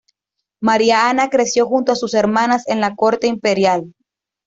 María Ana creció junto a sus hermanas en la corte imperial.